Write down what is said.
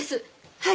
はい。